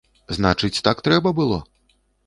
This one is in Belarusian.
Значыць так трэба было!